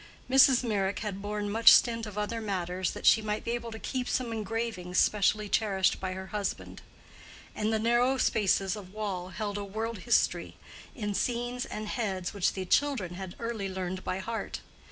Mrs. Meyrick had borne much stint of other matters that she might be able to keep some engravings specially cherished by her husband; and the narrow spaces of wall held a world history in scenes and heads which the children had early learned by heart.